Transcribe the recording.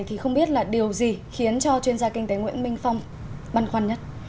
thì không biết là điều gì khiến cho chuyên gia kinh tế nguyễn minh phong băn khoăn nhất